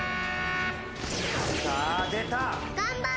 さあ出た。